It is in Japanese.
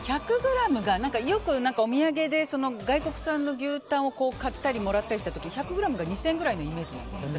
よくお土産で外国産の牛たんを買ったり、もらったりした時１００ｇが２０００円くらいのイメージなんです。